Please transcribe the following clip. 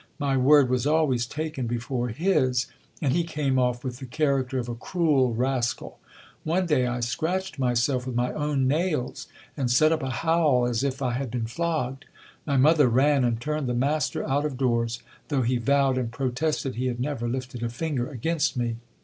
My word was always taken before his, and he came off with the character of a cruel ras cal. One day I scratched myself with my own nails, and set up a howl as if I had been flogged. My mother ran, and turned the master out of doors, though he vowed and protested he had never lifted a finger against me.